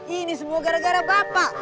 ini semua gara gara bapak